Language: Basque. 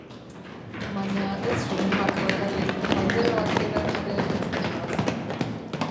Baina ez soinuak bakarrik, panderoak berak ere ez du erraza.